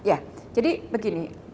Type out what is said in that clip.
ya jadi begini